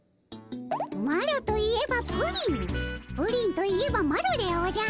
マロといえばプリンプリンといえばマロでおじゃる。